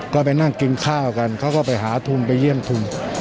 ก็ไปนั่งกินข้าวกันเขาก็ไปหาทุนไปเยี่ยมทุน